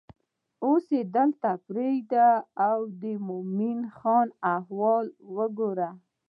اوس دلته پرېږده او د مومن خان احوال وګوره.